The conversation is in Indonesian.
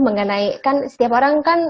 mengenai kan setiap orang kan